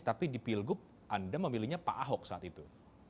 tapi dipilgup anda memilihnya pak ahok saat itu